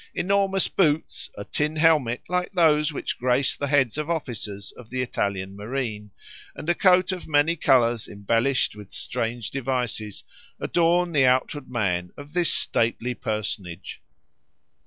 Enormous boots, a tin helmet like those which grace the heads of officers of the Italian marine, and a coat of many colours embellished with strange devices, adorn the outward man of this stately personage.